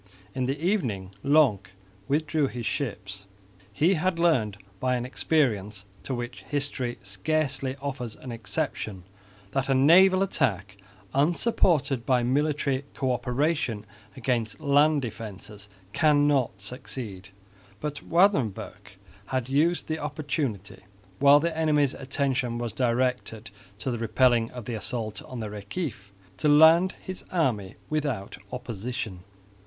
In the evening Lonck withdrew his ships. He had learnt by an experience, to which history scarcely offers an exception, that a naval attack unsupported by military co operation against land defences cannot succeed. But Waerdenburgh had used the opportunity, while the enemy's attention was directed to the repelling of the assault on the Reciff, to land his army without opposition.